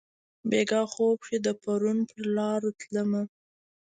بیګاه خوب کښي د پرون پرلارو تلمه